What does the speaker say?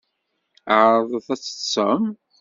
Ɛerḍet ad teṭṭsem.